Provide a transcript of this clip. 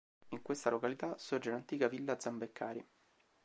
In questa località sorge l'antica Villa Zambeccari.